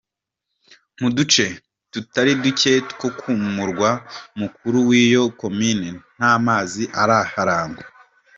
Muduce tutari duke two kumurwa mukuru w’iyo komine nta mazi aharangwa.